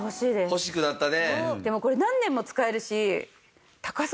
欲しくなったね。